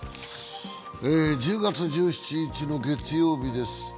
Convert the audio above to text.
１０月１７日の月曜日です。